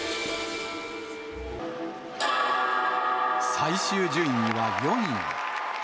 最終順位は４位。